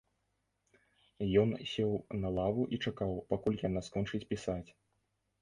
Ён сеў на лаву і чакаў, пакуль яна скончыць пісаць.